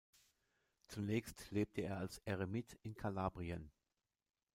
Zunächst lebte er als Eremit in Kalabrien.